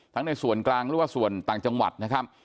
ในส่วนกลางหรือว่าส่วนต่างจังหวัดนะครับ